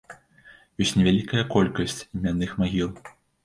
Ёсць невялікая колькасць імянных магіл.